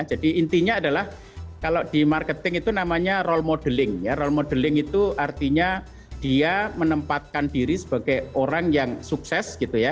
jadi intinya adalah kalau di marketing itu namanya role modeling ya role modeling itu artinya dia menempatkan diri sebagai orang yang sukses gitu ya